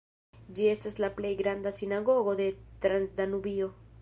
Ĝi estas la plej granda sinagogo de Transdanubio.